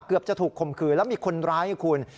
เกือบจะถูกคมคืนแล้วมีคนร้ายให้คุณ